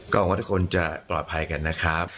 หวังว่าทุกคนจะปลอดภัยกันนะครับ